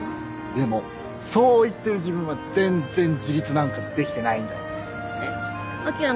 でもそう言ってる自分は全然自立なんかできてないんだよ。